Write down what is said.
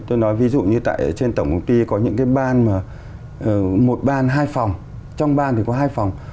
tôi nói ví dụ như tại trên tổng công ty có những cái ban mà một ban hai phòng trong ban thì có hai phòng